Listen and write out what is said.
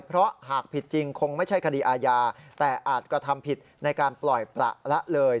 เพราะหากผิดจริงคงไม่ใช่คดีอาญาแต่อาจกระทำผิดในการปล่อยประละเลย